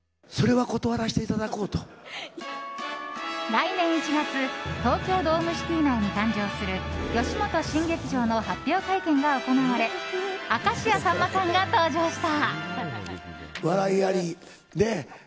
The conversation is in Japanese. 来年１月東京ドームシティ内に誕生する吉本新劇場の発表会見が行われ明石家さんまさんが登場した。